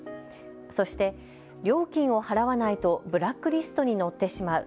そして料金を払わないとブラックリストに載ってしまう。